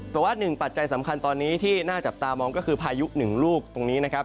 แต่ว่าหนึ่งปัจจัยสำคัญตอนนี้ที่น่าจับตามองก็คือพายุหนึ่งลูกตรงนี้นะครับ